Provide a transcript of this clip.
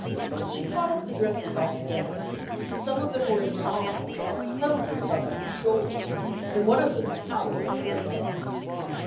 She caught up the dresses all together; some of them were in her arms, some of them fell on her shoulders, and one of them towered over her head.